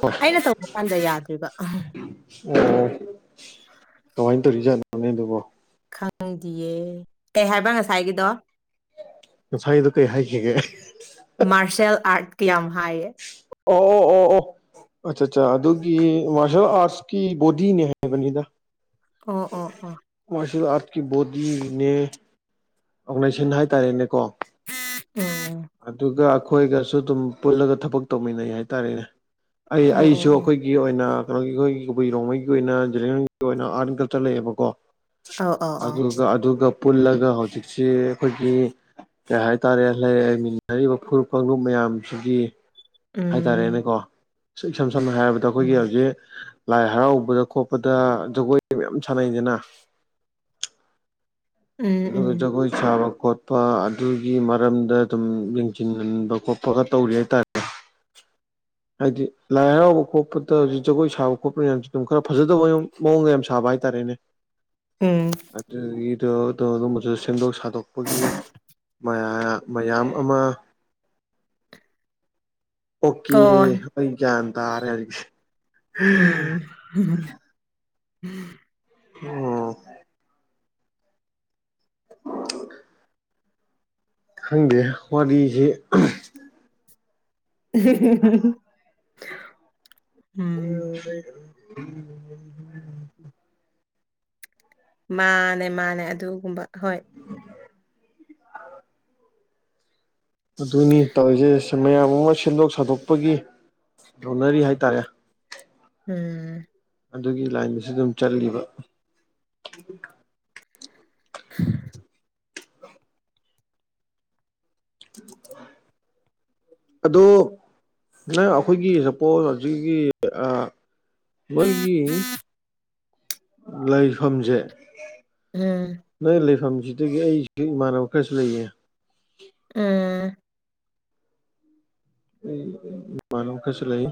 ꯍ ꯑꯩꯅ ꯇꯧꯕ ꯀꯥꯟꯗ ꯌꯥꯗ꯭ꯔꯤꯕ ꯎ ꯀꯃꯥꯏꯅ ꯇꯧꯔꯤꯖꯥꯠꯅꯣꯅꯦ ꯑꯗꯨꯕꯣ ꯈꯪꯗꯤꯌꯦ ꯀꯩ ꯍꯥꯏꯕ ꯉꯁꯥꯏꯒꯤꯗꯣ ꯉꯁꯥꯏꯗꯨ ꯀꯩ ꯍꯥꯏꯈꯤꯒꯦ ꯃꯥꯔꯁꯦꯜ ꯑꯥꯔꯠ ꯀ ꯌꯥꯝ ꯍꯥꯏꯌꯦ ꯑꯣ ꯑꯣ ꯑꯣ ꯑꯣ ꯑꯠꯆꯥ ꯑꯠꯆꯥ ꯑꯗꯨꯒꯤ ꯃꯥꯔꯁꯌꯦꯦꯜ ꯑꯥꯔꯠꯁꯀꯤ ꯕꯣꯗꯤꯅꯦ ꯍꯥꯏꯕꯅꯤꯗ ꯑꯣ ꯑꯣ ꯑꯣ ꯑꯩ ꯑꯥꯔꯠꯀꯤ ꯕꯣꯗꯤꯅꯦ ꯑꯣꯔꯒꯅꯥꯏꯖꯦꯁꯟ ꯍꯥꯏꯇꯥꯔꯦꯅꯦꯀꯣ ꯎꯝ ꯑꯗꯨꯒ ꯑꯩꯈꯣꯏꯒꯁꯨ ꯑꯗꯨꯝ ꯄꯨꯜꯂꯒ ꯊꯕꯛ ꯇꯧꯃꯤꯟꯅꯩ ꯍꯥꯏꯇꯥꯔꯦꯅꯦ ꯑꯩ ꯑꯣ ꯑꯣ ꯑꯩꯁꯨ ꯑꯣ ꯑꯩꯈꯣꯏꯒꯤ ꯑꯣꯏꯅ ꯀꯩꯅꯣꯒꯤ ꯑꯩꯈꯣꯏꯒꯤ ꯀꯕꯨꯏꯔꯣꯡꯉꯩꯒꯤ ꯑꯣꯏꯅ ꯖꯒꯤ ꯑꯣꯏꯅ ꯑꯥꯔꯠ ꯑꯦꯟ ꯀꯜꯆꯔ ꯂꯩꯌꯦꯕꯀꯣ ꯑꯧ ꯑꯧ ꯑꯧ ꯑꯗꯨꯒ ꯑꯗꯨꯒ ꯄꯨꯜꯂꯒ ꯍꯧꯖꯤꯛꯁꯤ ꯑꯩꯈꯣꯏꯒꯤ ꯀꯩ ꯍꯥꯏꯇꯥꯔꯦ ꯂꯩ ꯂꯩꯃꯤꯟꯅꯔꯤꯕ ꯐꯨꯔꯨꯞ ꯀꯥꯡꯂꯨꯞ ꯃꯌꯥꯝꯁꯤꯒꯤ ꯎꯝ ꯍꯥꯏꯇꯥꯔꯦꯅꯦꯀꯣ ꯏꯁꯝ ꯁꯝꯅ ꯍꯥꯏꯔꯕꯗ ꯑꯩꯈꯣꯏꯒꯤ ꯎꯝ ꯍꯧꯖꯤꯛ ꯂꯥꯏ ꯍꯔꯥꯎꯕꯗ ꯈꯣꯠꯄꯗ ꯖꯒꯣꯏ ꯃꯌꯥꯝ ꯁꯥꯟꯅꯩꯗꯅ ꯎꯝ ꯎꯝ ꯂꯗꯒ ꯏ ꯆꯕ ꯈꯣꯠꯄ ꯑꯗꯨꯒꯤ ꯃꯔꯝꯗ ꯑꯗꯨꯝ ꯌꯦꯡꯁꯤꯟꯟꯕ ꯈꯣꯠꯄꯒ ꯇꯧꯔꯤ ꯍꯥꯏꯇꯥꯔꯦ ꯍꯥꯏꯗꯤ ꯂꯥꯏ ꯍꯔꯥꯎꯕ ꯈꯣꯠꯄꯗ ꯍꯧꯖꯤꯛ ꯖꯒꯣꯏ ꯁꯥꯕ ꯈꯣꯠꯄ ꯃꯌꯥꯝꯁꯨ ꯑꯗꯨꯝ ꯈꯔ ꯐꯖꯗꯕ ꯃꯑꯣꯡꯗ ꯌꯥꯝ ꯁꯥꯕ ꯇꯔꯦꯅꯦ ꯎꯝ ꯑꯗꯨ ꯑꯗꯨ ꯑꯗꯨꯝꯕꯁꯨ ꯁꯦꯝꯗꯣꯛ ꯁꯥꯗꯣꯛꯄꯒꯤ ꯃꯌꯥꯝ ꯑꯃ ꯑꯣꯀꯦ ꯀꯣꯟ ꯑꯩ ꯀ ꯇꯔꯦ ꯎꯝ ꯎꯝ ꯈꯪꯗꯦ ꯋꯥꯔꯤꯁꯤꯦ [inaudible] ꯎꯝ ꯎ ꯎ ꯎ ꯎ ꯃꯥꯅꯦ ꯃꯥꯅꯦ ꯑꯗꯨꯒꯨꯝꯕ ꯍꯣꯏ ꯑ ꯑꯗꯨꯅꯤ ꯇꯧꯔꯤꯁꯦꯁ ꯟ ꯃꯌꯥꯝ ꯑꯃ ꯁꯦꯝꯗꯣꯛ ꯁꯥꯗꯣꯛꯄꯒꯤ ꯌꯣꯟꯅꯔꯤ ꯍꯥꯏꯇꯥꯔꯦ ꯎꯝ ꯑꯗꯨꯒꯤ ꯂꯥꯏꯟꯗꯁꯨ ꯑꯗꯨꯝ ꯆꯠꯂꯤꯕ [inaudible] [inaudible] ꯑꯗꯣ ꯅꯪ ꯑꯩꯈꯣꯏꯒꯤ ꯁꯄꯣꯁ ꯍꯧꯖꯤꯛꯀꯤ ꯃꯥꯒꯤ ꯂꯩꯐꯝꯁꯦ ꯎꯝ ꯅꯣꯏ ꯂꯩꯐꯝꯦ ꯍꯧꯖꯤꯛꯇꯒꯤ ꯑꯩꯁꯨ ꯏꯃꯥꯟꯅꯕ ꯈꯔꯁꯨ ꯂꯩꯌꯦ ꯎꯝ ꯑꯩ ꯃꯥꯂꯨ ꯈꯁꯤ ꯂꯩ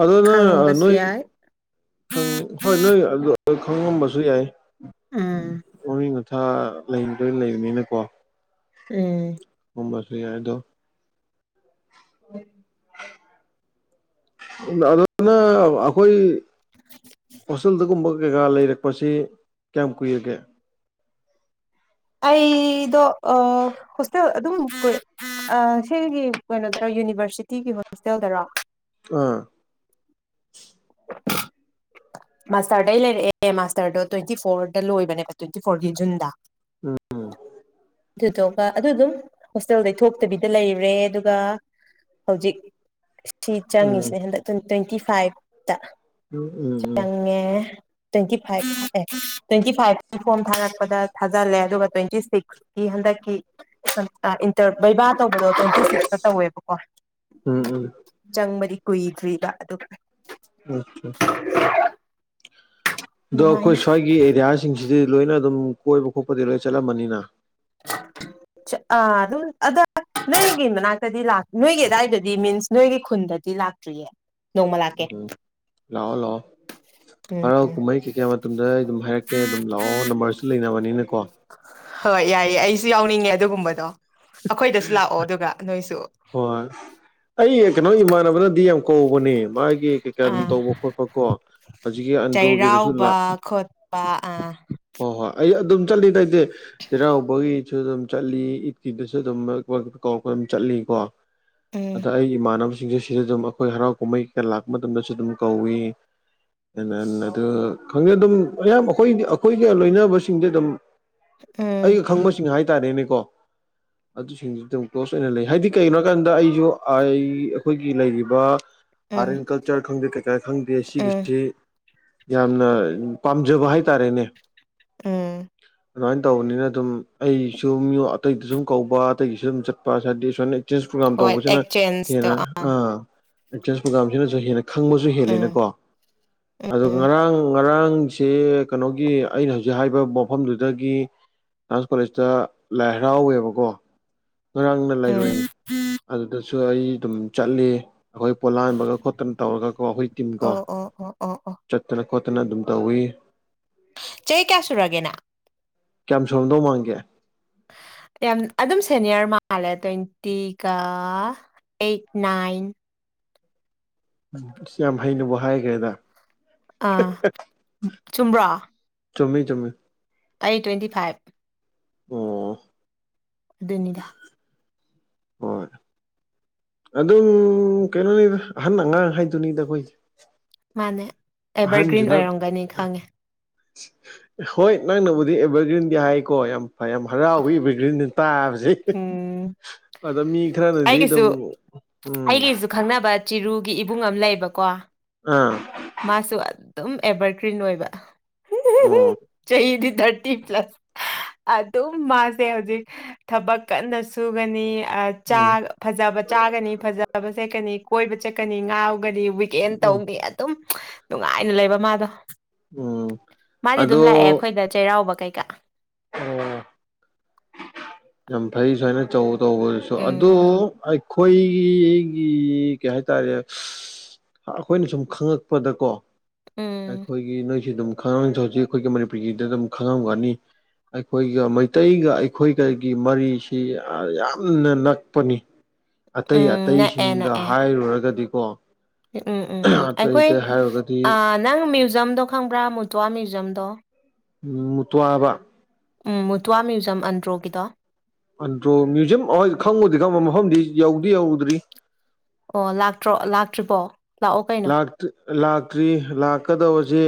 ꯑꯗꯨ ꯅꯪ ꯈꯪꯕꯁꯨ ꯅꯣꯏ ꯌꯥꯏ ꯍꯣꯏ ꯅꯣꯏ ꯑꯗꯨ ꯈꯪꯉꯝꯕꯁꯨ ꯌꯥꯏ ꯎꯝ ꯋꯥꯔꯤꯃꯤ ꯃꯊꯥ ꯂꯩꯅꯤꯗꯣꯏ ꯂꯩꯕꯅꯤꯅꯀꯣ ꯎꯝ ꯍꯝꯕꯁ ꯌꯥꯗꯣ ꯑꯗꯨꯅ ꯑꯩꯈꯣꯏ ꯍꯣꯁꯇꯦꯜꯗꯒꯨꯝꯕ ꯀꯩꯀꯥ ꯂꯩꯔꯛꯄꯁꯤ ꯀꯌꯥꯝ ꯀꯨꯏꯔꯒꯦ ꯑꯩꯣ ꯑ ꯍꯁꯦ ꯑꯗꯨꯝ ꯀ ꯁꯤꯒꯤ ꯀꯩꯅꯣꯗꯔ ꯌꯨꯅꯤꯚꯔꯁꯤꯇꯤꯒꯤ ꯍꯣꯁꯇꯦꯜꯗꯔꯣ ꯑ ꯃꯥꯁꯇꯔꯗ ꯑꯩ ꯂꯩꯔꯛꯑꯦ ꯃꯥꯁꯇꯔꯗꯣ ꯇ꯭ꯋꯦꯟꯇꯤ ꯐꯣꯔꯗ ꯂꯣꯏꯕꯅꯦꯕ ꯇ꯭ꯋꯦꯟꯇꯤ ꯐꯣꯔꯒꯤ ꯖꯨꯟꯗ ꯎꯝ ꯎꯝ ꯎꯝ ꯎꯝ ꯑꯗꯨꯇꯣ ꯑꯗꯨ ꯑꯗꯨꯝ ꯍꯣꯁꯇꯦꯜꯗꯩ ꯊꯣꯛꯇꯕꯤꯗ ꯂꯩꯔꯦ ꯑꯗꯨꯒ ꯍꯧꯖꯤꯛ ꯁꯤ ꯆꯪꯉꯁꯦ ꯍꯟꯗꯛ ꯇ꯭ꯋꯦꯟꯇꯤ ꯐꯥꯏꯚꯇ ꯆꯪꯉꯦ ꯇ꯭ꯋꯦꯟꯇꯤ ꯐꯥꯏꯚ ꯑꯦ ꯇ꯭ꯋꯦꯟꯇꯤ ꯐꯥꯏꯚꯀꯤ ꯐꯣꯔꯝ ꯊꯥꯔꯛꯄꯗ ꯊꯥꯖꯜꯂꯦ ꯑꯗꯨꯒ ꯇ꯭ꯋꯦꯟꯇꯤ ꯁꯤꯛꯁꯀꯤ ꯍꯗꯛꯀꯤ ꯁ ꯏꯟꯔ ꯩꯚꯕꯥ ꯇꯧꯕꯗꯣ ꯇ꯭ꯋꯦꯟꯇꯤ ꯁꯤꯛꯁꯇ ꯇꯧꯋꯦꯕꯀꯣ ꯎꯝ ꯎꯝ ꯎꯝ ꯎꯝ ꯆꯪꯕꯗꯤ ꯀꯨꯏꯗ꯭ꯔꯤꯕ ꯑꯗꯨꯒ ꯑꯗꯣ ꯑꯗꯨꯃꯥꯏꯅ ꯑꯩꯈꯣꯏ ꯁ꯭ꯋꯥꯏꯒꯤ ꯑꯦꯔꯤꯌꯥꯁꯤꯡꯁꯤꯗꯤ ꯂꯣꯏꯅ ꯑꯗꯨꯝ ꯀꯣꯏꯕ ꯈꯣꯠꯄꯗꯤ ꯂꯣꯏ ꯆꯠꯂꯝꯃꯅꯤꯅ ꯑ ꯑꯗꯨ ꯑꯗ ꯅꯣꯏꯒꯤ ꯃꯅꯥꯛꯇꯗꯤ ꯅꯣꯏꯒꯤ ꯑꯗꯥꯋꯥꯏꯗꯗꯤ ꯃꯤꯟꯁ ꯅꯣꯏꯒꯤ ꯈꯨꯟꯗꯗꯤ ꯂꯥꯛꯇ꯭ꯔꯤꯌꯦ ꯅꯣꯡꯃ ꯂꯥꯛꯀꯦ ꯎꯝ ꯂꯑꯣ ꯂꯑꯣ ꯎꯝ ꯍꯔꯥꯎ ꯀꯨꯝꯍꯩ ꯀꯩꯀꯥ ꯃꯇꯝꯗ ꯑꯩ ꯑꯗꯨꯝ ꯍꯥꯏꯔꯛꯀꯦ ꯑꯗꯨꯝ ꯂꯥꯛꯑꯣ ꯅꯝꯕꯔꯁꯨ ꯂꯩꯅꯕꯅꯤꯅ ꯀꯣ ꯍꯣꯏ ꯌꯥꯏꯌꯦꯦ ꯑꯩꯁꯨ ꯌꯥꯎꯅꯤꯡꯉꯦ ꯑꯗꯨꯒꯨꯝꯕꯗꯣ ꯑꯩꯈꯣꯏꯗꯁꯨ ꯂꯥꯛꯑꯣ ꯑꯗꯨꯒ ꯅꯣꯏꯁꯨ ꯍꯣꯏ ꯑꯩ ꯀꯩꯅꯣ ꯏꯃꯥꯟꯅꯕꯅꯗꯤ ꯌꯥꯝ ꯀꯧꯕꯅꯦ ꯃꯥꯒꯤ ꯀꯩꯀꯥ ꯑꯗꯨꯝ ꯑꯥ ꯇꯧꯕ ꯈꯣꯠꯄ ꯀꯣ ꯍꯧꯖꯤꯛꯀꯤ ꯑꯟꯗ꯭ꯔꯣꯒꯤꯗꯁꯨ ꯂ ꯆꯩꯔꯥꯎꯕ ꯈꯣꯠꯄ ꯑꯥ ꯍꯣꯏ ꯍꯣꯏ ꯑꯩ ꯑꯗꯨꯝ ꯆꯠꯂꯤ ꯇꯇꯦ ꯆꯩꯔꯥꯎꯕꯒꯤꯁꯨ ꯑꯗꯨꯝ ꯆꯠꯂꯤ ꯀꯤꯗꯨꯁꯨ ꯑꯗꯨꯝ ꯀꯧ ꯑꯗꯨꯝ ꯆꯠꯂꯤ ꯀꯣ ꯎꯝ ꯑꯗ ꯑꯩ ꯏꯃꯥꯟꯅꯕ ꯁꯤꯡꯁꯦ ꯁꯤꯗ ꯑꯗꯨꯝ ꯑꯩꯈꯣꯏ ꯍꯔꯥꯎ ꯀꯨꯝꯍꯩ ꯀꯌꯥ ꯂꯥꯛꯄ ꯃꯇꯝꯗꯁꯨ ꯑꯗꯨꯝ ꯀꯧꯏ ꯑꯦ ꯑꯗꯨ ꯈꯪꯉꯦ ꯑꯗꯨꯝ ꯃꯌꯥꯝ ꯑꯩꯈꯣꯏꯗꯤ ꯑꯩꯈꯣꯏꯒ ꯂꯣꯏꯅꯕꯁꯤꯡꯗꯤ ꯑꯗꯨꯝ ꯎꯝ ꯑꯩ ꯈꯪꯕꯁꯤꯡ ꯍꯥꯏꯇꯥꯔꯦꯅꯦꯀꯣ ꯑꯗꯨꯁꯤꯡꯗꯨꯗ ꯑꯗꯨꯝ ꯀ꯭ꯂꯣꯁ ꯑꯣꯏꯅ ꯂꯩ ꯍꯥꯏꯗꯤ ꯀꯩꯒꯤꯅꯣ ꯍꯥꯏ ꯀꯥꯟꯗ ꯑꯩꯁꯨ ꯑꯩ ꯑꯩꯈꯣꯏꯒꯤ ꯂꯩꯔꯤꯕ ꯎꯝ ꯑꯥꯔꯠ ꯑꯦꯟ ꯀꯜꯆꯔ ꯈꯪꯗꯦ ꯀꯩꯀꯥ ꯈꯪꯗꯦ ꯎꯝ ꯁꯤꯒꯤꯁꯤ ꯌꯥꯝꯅ ꯄꯥꯝꯖꯕ ꯍꯥꯏꯇꯥꯔꯦꯅꯦ ꯎꯝ ꯑꯗꯨꯃꯥꯏꯅ ꯇꯧꯕꯅꯤꯅ ꯑꯗꯨꯝ ꯑꯩꯁꯨ ꯑꯇꯩꯗ ꯁꯨꯝ ꯀꯧꯕ ꯑꯇꯩꯒꯤꯁꯨ ꯑꯗꯨꯝ ꯆꯠꯄ ꯍꯥꯏꯗꯤ ꯁꯃꯥꯏꯅ ꯑꯦꯇꯦꯟꯁ ꯄ꯭ꯔꯣꯒꯥꯝ ꯍꯣꯏ ꯇꯧꯕꯁꯤꯅ ꯑꯦꯛꯆꯦꯟꯖꯇꯣ ꯍꯦꯟꯅ ꯑꯇꯦꯟꯁ ꯄ꯭ꯔꯣꯒꯥꯝꯁꯤꯅꯁꯨ ꯍꯦꯟꯅ ꯈꯪꯕꯁꯨ ꯎꯝ ꯍꯦꯜꯂꯦꯅꯀꯣ ꯑꯗꯣ ꯎꯝ ꯉꯔꯥꯡ ꯉꯔꯥꯡ ꯑꯉꯥꯡꯁ ꯀꯩꯅꯣꯒꯤ ꯑꯩꯅ ꯍꯧꯖꯤꯛ ꯍꯥꯏꯕ ꯃꯐꯝꯗꯨꯗꯒꯤ ꯗꯥꯟꯁ ꯀꯣꯂꯦꯖꯇ ꯂꯥꯏ ꯍꯔꯥꯎꯋꯦꯕꯀꯣ ꯉꯔꯥꯡꯅ ꯎꯝ ꯂꯩꯔꯣꯏꯅꯤ ꯑꯗꯨꯗ ꯁꯨ ꯑꯩ ꯑꯗꯨꯝ ꯆꯠꯂꯤ ꯑꯩꯈꯣꯏ ꯄꯣꯂꯥꯟꯕꯒ ꯈꯣꯠꯇꯅ ꯇꯧꯔꯒꯀꯣ ꯑꯩꯈꯣꯏ ꯇꯤꯝ ꯀꯣ ꯑꯣ ꯑꯣ ꯑꯣ ꯑꯣ ꯑꯣ ꯆꯠꯇꯅ ꯈꯣꯠꯇꯅ ꯑꯗꯨꯝ ꯇꯧꯋꯤ ꯆꯍꯤ ꯀꯌꯥ ꯁꯨꯔꯒꯦ ꯅꯪ ꯀꯌꯥꯝ ꯁꯔꯝꯗꯧ ꯃꯥꯡꯒꯦ ꯌꯥꯝ ꯑꯗꯨꯝ ꯁꯦꯅꯤꯌꯔ ꯃꯥꯜꯂꯦ ꯇ꯭ꯋꯦꯟꯇꯤꯒ ꯑꯩꯠ ꯅꯥꯏꯟ ꯎꯝ ꯑꯁ ꯌꯥꯝ ꯍꯩꯅꯕ ꯍꯥꯏꯈ꯭ꯔꯦꯗ ꯑ ꯆꯨꯝꯕ꯭ꯔꯣ ꯆꯨꯝꯃꯤ ꯆꯨꯝꯃꯤ ꯑꯩ ꯇ꯭ꯋꯦꯟꯇꯤ ꯐꯥꯏꯚ ꯑ [inaudible] [unintelligible] ꯑꯗꯨꯅꯤꯗ ꯍꯣꯏ ꯑꯗꯨꯝ ꯀꯩꯅꯣꯅꯤ ꯑꯍꯟ ꯑꯉꯥꯡ ꯍꯥꯏꯗꯨꯅꯤꯗ ꯑꯩꯈꯣꯏꯁꯦ ꯑꯦꯚꯔꯒ꯭ꯔꯤꯟ ꯑꯍꯟꯁꯨꯅ ꯑꯣꯏꯔꯝꯒꯅꯤ ꯈꯪꯉꯦ ꯍꯣꯏ ꯅꯪꯅꯕꯨꯗꯤ ꯑꯦꯚꯔꯒ꯭ꯔꯤꯟꯗꯤ ꯍꯥꯏꯀꯣ ꯌꯥꯝ ꯐꯩ ꯌꯥꯝ ꯍꯔꯥꯎꯕ ꯑꯦꯚꯔꯒ꯭ꯔꯤꯟꯗ ꯇꯥꯕ ꯎꯝ [inaudible] ꯑꯗ ꯃꯤ ꯈꯔꯅ ꯑꯩꯒꯤꯁꯨ ꯑꯩꯒꯤꯁꯨ ꯈꯪꯅꯕ ꯆꯤꯔꯨꯒꯤ ꯏꯕꯨꯡ ꯑꯃ ꯂꯩꯕꯀꯣ ꯑꯥ ꯃꯥꯁꯨ ꯑꯗꯨꯝ ꯑꯦꯚꯔꯒ꯭ꯔꯤꯟ ꯑꯣꯏꯕ ꯑꯣ ꯑꯩꯗꯤ ꯊꯔꯇꯤ ꯄ꯭ꯂꯁ ꯑꯗꯨꯝ ꯃꯥꯁꯦ ꯍꯧꯖꯤꯛ ꯊꯕꯛ ꯀꯟꯅ ꯁꯨꯒꯅꯤ ꯎꯝ ꯐꯖꯕ ꯆꯥꯒꯅꯤ ꯐꯖꯕ ꯆꯠꯀꯅꯤ ꯀꯣꯏꯕ ꯆꯠꯀꯅꯤ ꯉꯥꯎ ꯇꯒꯅꯤ ꯋꯤꯛꯀꯦꯟ ꯎꯝ ꯇꯧꯅꯤ ꯑꯗꯨꯝ ꯅꯨꯡꯉꯥꯏꯅ ꯂꯩꯕ ꯃꯥꯗꯣ ꯎꯝ ꯃꯥꯗꯤ ꯑꯗꯣ ꯑꯗꯨꯝ ꯂꯥꯛꯑꯦ ꯑꯩꯈꯣꯏꯗ ꯆꯩꯔꯥꯎꯕ ꯀꯩꯀꯥ ꯑꯣ ꯌꯥꯝ ꯐꯩ ꯁꯨꯃꯥꯏꯅ ꯆꯧ ꯇꯧꯕꯗꯨꯁꯨ ꯎꯝ ꯑꯗꯨꯗ ꯑꯩꯈꯣꯏꯒꯤ ꯑꯩꯒꯤ ꯀꯩ ꯍꯥꯏꯇꯥꯔꯦ ꯑꯩꯈꯣꯏꯅ ꯁꯨꯝ ꯈꯪꯉꯛꯄꯗꯀꯣ ꯎꯝ ꯑꯩꯈꯣꯏꯒꯤ ꯅꯣꯏꯁꯤ ꯑꯗꯨꯝ ꯈꯪꯉꯝꯁꯨ ꯍꯧꯖꯤꯛ ꯑꯩꯈꯣꯏꯒꯤ ꯃꯅꯤꯄꯨꯔꯒꯤꯗ ꯑꯗꯨꯝ ꯈꯪꯉꯝꯒꯅꯤ ꯑꯩꯈꯣꯏꯒ ꯃꯩꯇꯩꯒ ꯑꯩꯈꯣꯏ ꯀꯩꯒꯤ ꯃꯔꯤꯁꯤ ꯌꯥꯝꯅ ꯅꯛꯄꯅꯤ ꯑꯇꯩ ꯎꯝ ꯅꯛꯑꯦ ꯑꯇꯩꯁꯤꯡꯗ ꯅꯛꯑꯦ ꯍꯥꯏꯔꯨꯔꯒꯗꯤꯀꯣ ꯎꯝ ꯎꯝ ꯎꯝ ꯑꯇꯩ ꯑꯩꯈꯣꯏ ꯑꯇꯩ ꯍꯥꯏꯔꯨꯔꯒꯗꯤ ꯅꯪ ꯨꯖꯝꯗ ꯈꯪꯕ꯭ꯔꯥ ꯃꯨꯇꯨꯋꯥ ꯃꯤ꯭ꯌꯨꯖꯝꯗꯣ ꯎꯝ ꯃꯨ ꯇꯋꯥꯕ ꯎꯝ ꯃꯨꯇ꯭ꯋꯥ ꯃ꯭ꯌꯨꯖꯝ ꯑꯟꯗ꯭ꯔꯣꯒꯤꯗꯣ ꯑꯗꯨꯟꯗꯣ ꯃ꯭ꯌꯨꯖꯤꯌꯝ ꯑꯣꯏ ꯈꯪꯉꯨꯗꯤ ꯈꯪꯕꯨ ꯃꯐꯝꯗꯤ ꯌꯧꯗꯤ ꯌꯧꯗ꯭ꯔꯤ ꯑꯣ ꯂꯥꯛꯇ꯭ꯔꯣ ꯂꯥꯛꯇ꯭ꯔꯤꯕꯣ ꯂꯥꯛꯑꯣ ꯀꯩꯅꯣ ꯂꯥꯛꯇ꯭ꯔꯤ ꯂꯥꯛꯇ꯭ꯔꯤ ꯂꯥꯛꯀꯗꯁꯦ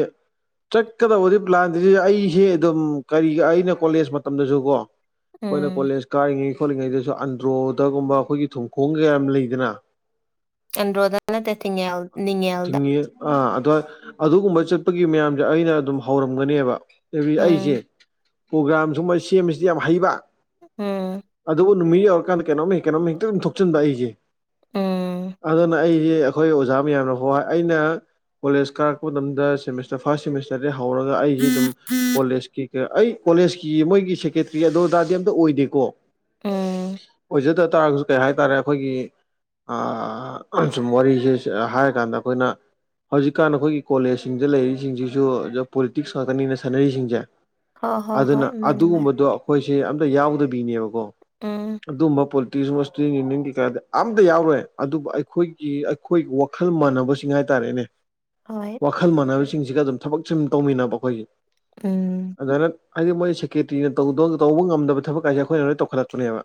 ꯆꯠꯀꯗꯕꯗꯤ ꯄ꯭ꯂꯥꯟꯗ ꯑꯩꯁꯦ ꯑꯗꯨꯝ ꯀꯔꯤ ꯑꯩꯅ ꯀꯣꯂꯦꯖ ꯃꯇꯝꯗꯁꯨ ꯀꯣ ꯑꯩꯈꯣꯏꯅ ꯎꯝ ꯀꯣꯂꯦꯖ ꯀꯥꯏꯔꯤꯉꯩ ꯊꯣꯛꯣꯠꯂꯤꯉꯩꯗꯁꯨ ꯑꯟꯗ꯭ꯔꯣꯗꯒꯨꯝꯕ ꯑꯩꯈꯣꯏꯒꯤ ꯊꯨꯝꯈꯣꯡ ꯀꯌꯥ ꯂꯩꯗꯅ ꯑꯟꯣꯗ ꯇꯠꯇꯉ ꯊꯤꯡꯉꯤ ꯑꯥ ꯑ ꯑꯗꯨꯒꯨꯝꯕ ꯆꯠꯄꯒꯤ ꯃꯌꯥꯝꯁꯦ ꯑꯩꯅ ꯑꯗꯨꯝ ꯍꯧꯔꯝꯒꯅꯦꯕ ꯑꯩꯁꯦ ꯎꯝ ꯄ꯭ꯔꯣꯒ꯭ꯔꯥꯝ ꯁꯨꯝꯕ ꯁꯦꯝꯕꯁꯤꯗꯤ ꯌꯥꯝ ꯍꯩꯕ ꯎꯝ ꯑꯗꯨꯕꯨ ꯅꯨꯃꯤꯠ ꯌꯧꯔꯀꯥꯟꯗ ꯀꯩꯅꯣꯝ ꯀꯩꯅꯣꯝ ꯍꯦꯛꯇ ꯑꯗꯨꯝ ꯊꯣꯛꯆꯟꯕ ꯑꯩꯁꯦ ꯎꯝ ꯑꯗꯨꯅ ꯑꯩ ꯑꯩ ꯑꯩꯈꯣꯏ ꯑꯣꯖꯥ ꯃꯌꯥꯝꯅ ꯍ ꯑꯩꯅ ꯀꯣꯂꯦꯖ ꯀꯥꯔꯛꯄ ꯃꯇꯝꯗ ꯁꯦꯃꯤꯁꯇꯔ ꯐꯥꯔꯁ ꯁꯦꯃꯤꯁꯇꯔꯗꯤ ꯍꯧꯔꯒ ꯑꯩꯁꯦ ꯑꯗꯨꯝ ꯀꯣꯂꯦꯖꯀꯤ ꯑꯩ ꯀꯣꯂꯦꯖꯀꯤ ꯃꯣꯏꯒꯤ ꯁꯦꯀ꯭ꯔꯦꯇ꯭ꯔꯤ ꯑꯗꯣ ꯗꯥꯔꯗꯤ ꯑꯝꯇ ꯑꯣꯏꯗꯦꯀꯣ ꯎꯝ ꯄꯤꯖꯗ ꯇꯥꯔꯒꯁꯨ ꯀꯩ ꯍꯥꯏꯇꯥꯔꯦ ꯑꯩꯈꯣꯏꯒꯤ ꯁꯨꯝ ꯋꯥꯔꯤꯁꯦ ꯍꯥꯏ ꯀꯗ ꯑꯩꯅ ꯍꯧꯖꯤꯛꯀꯥꯟ ꯑꯩꯈꯣꯏꯒꯤ ꯀꯣꯂꯦꯖꯁꯤꯡꯗ ꯂꯩꯔꯤꯁꯤꯡꯁꯤꯁꯨ ꯄꯣꯂꯤꯇꯤꯛꯁ ꯉꯥꯛꯇꯅꯤꯅ ꯁꯥꯟꯅꯔꯤꯁꯤꯡꯁꯦ ꯍꯣꯏ ꯍꯣꯏ ꯑꯗꯨꯅ ꯍꯣꯏ ꯃꯥꯅꯦ ꯃꯥꯅꯦ ꯑꯗꯨꯒꯨꯝꯕꯗꯣ ꯑꯩꯈꯣꯏ ꯁꯤ ꯑꯇ ꯌꯥꯎꯗꯕꯤꯅꯦꯕꯀꯣ ꯎꯝ ꯑꯗꯨꯝꯕꯣ ꯇ ꯌꯨꯅꯤꯌꯟ ꯀꯀꯥꯗꯤ ꯑꯝꯇ ꯌꯥꯎꯔꯣꯏꯦ ꯑꯗꯨꯕꯨ ꯑꯩꯈꯣꯏꯒꯤ ꯑꯩꯈꯣꯏꯒꯤ ꯋꯥꯈꯜ ꯃꯥꯟꯅꯕꯁꯤꯡ ꯍꯥꯏꯇꯥꯔꯦꯅꯦ ꯍꯣꯏ ꯋꯥꯈꯜ ꯃꯥꯟꯅꯕꯁꯤꯡꯁꯤꯒ ꯑꯗꯨꯝ ꯊꯕꯛ ꯁꯨꯝ ꯇꯧꯃꯤꯟꯅꯕ ꯑꯩꯈꯣꯏꯁꯦ ꯎꯝ ꯍꯥꯏꯗꯤ ꯃꯣꯏ ꯁꯦꯀ꯭ꯔꯦꯇꯔꯤꯅ ꯇꯧꯕ ꯉꯝꯗꯕ ꯊꯕꯛ ꯀꯥꯏꯁꯦ ꯑꯩꯈꯣꯏꯅ ꯂꯣꯏꯅ ꯇꯧꯈꯠꯂꯛꯄꯨꯅꯦꯕ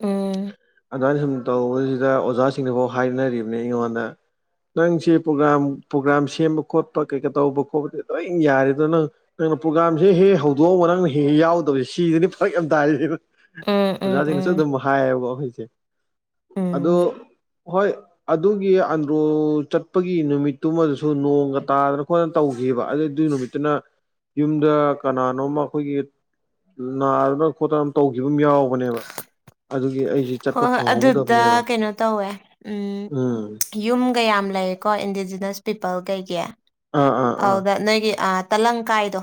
ꯎꯝ ꯑꯗꯨꯅ ꯁꯨꯝ ꯇꯧꯕꯁꯤꯗ ꯑꯣꯖꯥꯁꯤꯡꯅꯐꯥꯎ ꯍꯥꯏꯅꯔꯤꯕꯅꯤ ꯑꯩꯉꯣꯟꯗ ꯅꯪꯁꯦ ꯄ꯭ꯔꯣꯒ꯭ꯔꯥꯝ ꯄ꯭ꯔꯣꯒ꯭ꯔꯥꯝ ꯁꯦꯝꯕ ꯈꯣꯠꯄ ꯀꯩꯀꯥ ꯇꯧꯕ ꯈꯣꯠꯄꯗꯤ ꯂꯣꯏ ꯌꯥꯔꯦꯗꯣ ꯅꯪ ꯅꯪꯅ ꯄ꯭ꯔꯣꯒꯥꯝꯁ ꯍ ꯍꯧꯗꯣꯛꯑꯒ ꯅꯪꯅ ꯍꯦꯛ ꯌꯥꯎꯗꯕꯁꯦ ꯁꯤꯗꯗꯤ ꯐꯔꯛ ꯌꯥꯝ ꯇꯥꯏꯔꯤꯦꯕ ꯎꯝ ꯎꯝ ꯑꯣꯖꯥꯁꯤꯡꯅꯁꯨ ꯎꯝ ꯑꯗꯨꯝ ꯍꯥꯏꯌꯦꯕꯀꯣ ꯑꯩꯈꯣꯏꯁꯦ ꯑ ꯎꯝ ꯍꯣꯏ ꯑꯗꯨꯒꯤ ꯇꯣ ꯆꯠꯄꯒꯤ ꯅꯨꯃꯤꯠꯇꯨꯃꯗꯁꯨ ꯅꯣꯡꯒ ꯇꯥꯗꯅ ꯈꯣꯠꯇꯅ ꯇꯧꯈꯤꯕꯕ ꯑꯗꯨ ꯑꯗꯨꯏ ꯅꯨꯃꯤꯠꯇꯨꯅ ꯌꯨꯝꯗ ꯀꯅꯥꯅꯣꯝ ꯑꯩꯈꯣꯏꯒꯤ ꯅꯥꯗꯅ ꯈꯣꯠꯇꯅ ꯇꯧꯈꯤꯕ ꯑꯃ ꯌꯥꯎꯕꯅꯦꯕ ꯑꯗꯨ ꯍꯣꯏ ꯍꯣꯏ ꯑꯗꯨꯗ ꯀꯩꯅꯣ ꯇꯧꯋꯦ ꯎꯝ ꯌꯨꯝ ꯀꯌꯥꯝ ꯂꯩꯌꯦꯀꯣ ꯏꯟꯗꯤꯖꯤꯅꯁ ꯄꯤꯄꯜ ꯀꯩꯒꯤ ꯑꯥ ꯑꯥ ꯑꯗꯨꯗ ꯑꯥ ꯅꯣꯏꯒꯤ ꯇ ꯂꯪ ꯀꯥꯏꯗꯣ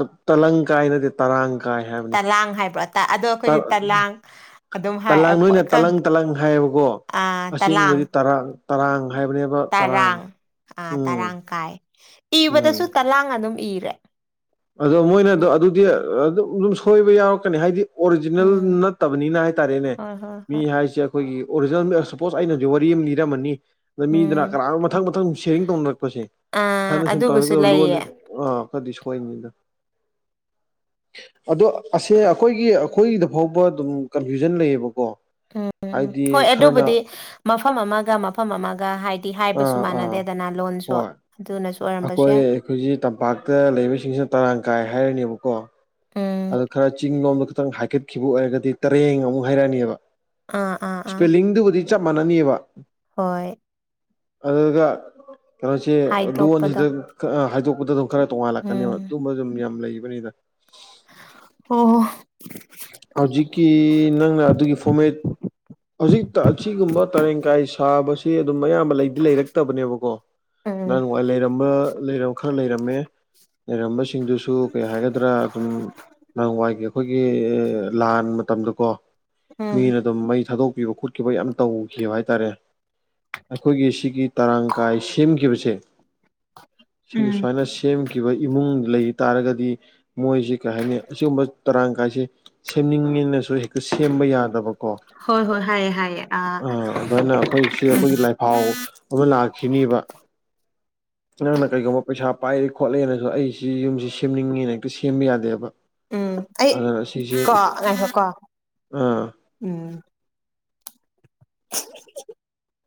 ꯎꯝ ꯇꯂꯪ ꯀꯥꯏ ꯅꯠꯇꯦ ꯇꯔꯥꯡ ꯀꯥꯏ ꯍꯥꯏꯕꯅꯤ ꯇꯂꯥꯡ ꯍꯥꯏꯕ꯭ꯔꯣ ꯇ ꯑꯗꯣ ꯑꯩꯈꯣꯏꯗꯤ ꯇꯂꯥꯡ ꯑꯗꯨꯝ ꯍꯥꯏ ꯑ ꯄ ꯅꯣꯏꯅ ꯀꯪ ꯇꯂꯪ ꯇꯂꯪ ꯍꯥꯏꯌꯦꯕꯀꯣ ꯑꯥ ꯇꯂꯥꯡ ꯑꯁꯦꯡꯕꯗꯤ ꯇꯔꯥ ꯇꯔꯥꯡ ꯑꯥ ꯎꯝ ꯇꯔꯥꯡ ꯀꯥꯏ ꯎꯝ ꯏꯕꯗꯁꯨ ꯇꯂꯥꯡ ꯑꯗꯨꯝ ꯏꯔ [unintelligible] ꯑꯗꯣ ꯃꯣꯏꯅꯗꯣ ꯑꯗꯨꯗꯤ ꯑꯗꯨꯝ ꯑꯗꯨꯝ ꯁꯣꯏꯕ ꯌꯥꯎꯔꯛꯀꯅꯤ ꯍꯥꯏꯗꯤ ꯑꯣꯔꯤꯖꯤꯅꯦꯜ ꯎꯝ ꯅꯠꯇꯕꯅꯤꯅ ꯍꯥꯏꯇꯥꯔꯦꯅꯦ ꯍꯣꯏ ꯍꯣꯏ ꯃꯤ ꯍꯣꯏ ꯍꯥꯏꯁꯦ ꯑꯩꯈꯣꯏꯒꯤ ꯑꯣꯔꯤꯖꯤꯅꯦꯜ ꯁꯄꯣꯁ ꯑꯩꯅ ꯍꯧꯖꯤ ꯋꯥꯔꯤ ꯑꯃ ꯂꯤꯅꯤꯔꯝꯃꯅꯤ ꯑꯗ ꯃꯤꯗꯨꯅ ꯎꯝ ꯀꯅꯥꯝ ꯃꯊꯪ ꯃꯊꯪ ꯁ ꯁꯌꯥꯔꯤꯡ ꯇꯧꯅꯔꯛꯄꯁꯦ ꯑꯥ ꯁꯨꯃꯥꯏꯅ ꯁꯨꯝ ꯇꯧꯔ ꯑꯗꯨꯒꯁꯨ ꯂꯣꯟꯗꯤ ꯂꯩꯌꯦ ꯑ ꯍꯈꯣꯏꯅꯤꯗ ꯑꯗꯣ ꯑꯁꯦ ꯑꯩꯈꯣꯏꯒꯤ ꯑꯩꯈꯣꯏꯒꯤꯗ ꯐꯥꯎꯕ ꯑꯗꯨꯝ ꯀꯟꯐ꯭ꯌꯨꯖꯟ ꯂꯩꯌꯦꯕꯀꯣ ꯎꯝ ꯍꯣꯏ ꯍꯥꯏꯗꯤ ꯈꯔꯅ ꯑꯗꯨꯕꯨꯗꯤ ꯃꯐꯝ ꯑꯃꯒ ꯃꯐꯝ ꯑꯃꯒ ꯍꯥꯏꯗꯤ ꯍꯥꯏꯕꯁꯨ ꯑꯥ ꯑꯥ ꯃꯥꯟꯅꯗꯦꯗꯅ ꯂꯣꯟꯁꯨ ꯍꯣꯏ ꯑꯗꯨꯅꯁꯨ ꯑꯣꯏꯔꯝꯕꯁꯨ ꯑꯩꯈꯣꯏ ꯌꯥꯏ ꯑꯩꯈꯣꯏꯖꯤ ꯇꯝꯄꯥꯛꯇ ꯂꯩꯕꯁꯤꯡꯁꯤꯅ ꯇꯔꯥꯡ ꯀꯥꯏ ꯍꯥꯏꯔꯅꯦꯕꯀꯣ ꯎꯝ ꯑꯗ ꯈꯔ ꯆꯤꯡ ꯂꯣꯝꯗ ꯈꯤꯇꯪ ꯍꯥꯏꯀꯠꯈꯤꯕ ꯑꯣꯏꯔꯒꯗꯤ ꯇꯔꯦꯡ ꯑꯃꯨꯛ ꯍꯥꯏꯔꯛꯑꯅꯦꯕ ꯑꯥ ꯑꯥ ꯑꯥ ꯆ ꯃꯅꯅꯤꯕ ꯍꯣꯏ ꯑꯗꯨ ꯀꯩꯅꯣꯁꯦ ꯍꯥꯏꯗꯣꯛꯄꯗꯣ ꯂꯣꯟꯁꯤꯗ ꯍꯥꯏꯗꯣꯛꯄꯗ ꯑꯗꯨꯝ ꯈꯔ ꯇꯣꯡꯉꯥꯜꯂꯛꯀꯅꯦꯕ ꯎꯝ ꯑꯗꯨꯝꯕ ꯑꯗꯨꯝ ꯌꯥꯝ ꯂꯩꯕꯅꯤꯗ ꯑꯣꯣ ꯍꯧꯖꯤꯛꯀꯤ ꯅꯪꯅ ꯑꯗꯨꯒꯤ ꯐꯣꯔꯃꯦꯠ ꯍꯧꯖꯤꯛꯇ ꯑꯁꯤꯒꯨꯝꯕ ꯇꯔꯦꯡꯀꯥꯏ ꯁꯥꯕꯁꯤ ꯁꯤ ꯑꯗꯨꯝ ꯑꯌꯥꯝꯕ ꯂꯩꯗꯤ ꯂꯩꯔꯛꯇꯕꯅꯦꯕꯀꯣ ꯎꯝ ꯅꯍꯪ ꯅꯨꯡꯉꯥꯏ ꯂꯩꯔꯝꯕ ꯂꯩꯔꯝ ꯈꯔ ꯂꯩꯔꯝꯃꯦ ꯂꯩꯔꯝꯕꯁꯤꯡꯗꯨꯁꯨ ꯀꯩ ꯍꯥꯏꯒꯗ꯭ꯔꯥ ꯑꯗꯨꯝ ꯅꯪ ꯋꯥꯏꯒꯦ ꯑꯩꯈꯣꯏꯒꯤ ꯂꯥꯟ ꯃꯇꯝꯗꯀꯣ ꯎꯝ ꯃꯤꯅ ꯑꯗꯨꯝ ꯃꯩ ꯊꯥꯗꯣꯛ ꯄꯤꯕ ꯈꯣꯠꯈꯤꯕ ꯌꯥꯝꯅ ꯇꯧꯈꯤꯕ ꯍꯥꯏꯇꯥꯔꯦ ꯑꯩꯈꯣꯏꯒꯤ ꯁꯤꯒꯤ ꯇꯔꯥꯡ ꯀꯥꯏ ꯁꯦꯝꯈꯤꯕꯁꯦ ꯁꯤ ꯎꯝ ꯁꯥꯏꯅꯥ ꯁꯦꯝ ꯀ ꯈꯤꯕ ꯏꯃꯨꯡ ꯂꯩ ꯇꯥꯔꯒꯗꯤ ꯃꯣꯏꯁꯤ ꯀꯩ ꯍꯥꯏꯅꯤ ꯑꯁꯤꯒꯨꯝꯕ ꯇꯔꯥꯡ ꯀꯥꯏꯁꯦ ꯁꯦꯝꯅꯤꯡꯉꯤꯅꯁꯨ ꯍꯦꯛꯇ ꯁꯦꯝꯕ ꯌꯥꯗꯕ ꯀ ꯍꯣꯏ ꯍꯣꯏ ꯍꯥꯏꯌꯦ ꯍꯥꯏꯌꯦ ꯑ ꯑꯥ ꯑꯗꯨꯃꯥꯏꯅ ꯑꯩꯈꯣꯏ ꯁꯤ ꯑꯩꯈꯣꯏꯒꯤ ꯂꯥꯏꯐꯥꯎ ꯑꯃ ꯂꯥꯛꯦ ꯈꯤꯅꯤꯕ ꯅꯪꯅ ꯀꯩꯒꯨꯝꯕ ꯄꯩꯁꯥ ꯄꯥꯏꯔꯦ ꯈꯣꯠꯂꯛꯦꯅꯁꯨ ꯑꯩꯁꯤ ꯌꯨꯝꯁꯤ ꯁꯦꯝꯅꯤꯡꯉꯦꯅ ꯍꯦꯛꯇ ꯁꯦꯝꯕ ꯌꯥꯗꯦꯕ ꯑꯗꯨꯗꯅ ꯁꯤꯁꯦ ꯉꯀꯣ ꯎꯝ [unintelligible]